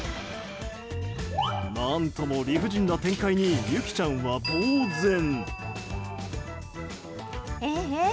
何とも理不尽な展開にユキちゃんはぼうぜん。